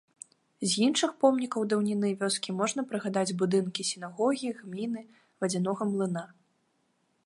З іншых помнікаў даўніны вёскі можна прыгадаць будынкі сінагогі, гміны, вадзянога млына.